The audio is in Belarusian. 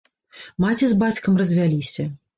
Маці з бацькам развяліся.